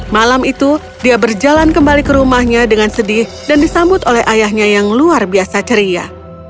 malam itu dia berjalan kembali ke rumahnya dengan sedih dan disambut oleh ayahnya yang luar biasa ceria